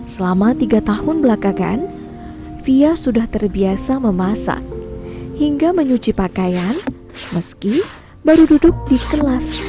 selama tiga tahun belakangan fia sudah terbiasa memasak hingga menyuci pakaian meski baru duduk di kelas lima